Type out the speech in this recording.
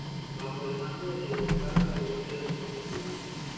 Bajo el mando de Diego Osella logró ser el nueve titular.